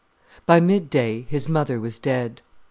XII By midday his mother was dead.